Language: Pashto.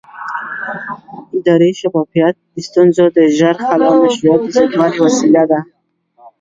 اداري شفافیت د ستونزو د ژر حل او مشروعیت د زیاتوالي وسیله ده